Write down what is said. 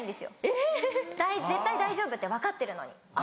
・えぇ・絶対大丈夫って分かってるのに。